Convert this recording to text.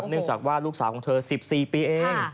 เนื่องจากว่าลูกสาวของเธอ๑๔ปีเอง